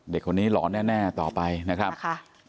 เด็กคนนี้หลอนแน่ต่อไปนะครับค่ะ